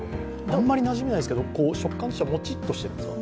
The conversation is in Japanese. あんまりなじみないですけと食感としてはもちっとしてるんですか。